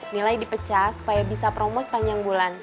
nilai dipecah supaya bisa promo sepanjang bulan